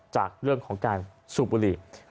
จากเรื่องของการสูบบุหรี่